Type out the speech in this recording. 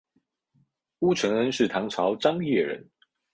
乌承恩是唐朝张掖人。